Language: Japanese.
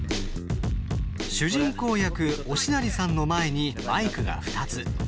主人公役、忍成さんの前にマイクが２つ。